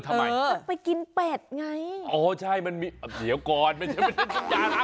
มันไปกินเป็ดไงอ๋อใช่มันมีเดี๋ยวก่อนมันเป็นจุดยารักห้องน้ำ